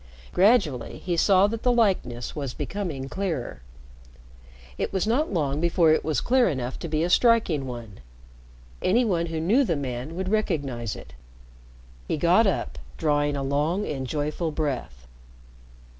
Gradually he saw that the likeness was becoming clearer. It was not long before it was clear enough to be a striking one. Any one who knew the man would recognize it. He got up, drawing a long and joyful breath.